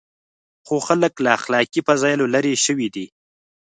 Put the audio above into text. خو خلک له اخلاقي فضایلو لرې شوي دي.